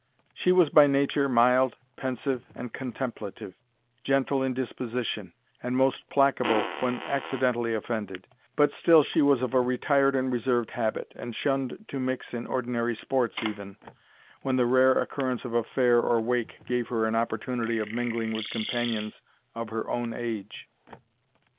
She was by nature mild, pensive, and contemplative, gentle in disposition, and most placable when accidentally offended; but still she was of a retired and reserved habit, and shunned to mix in ordinary sports, even when the rare occurrence of a fair or wake gave her an opportunity of mingling with companions of her own age.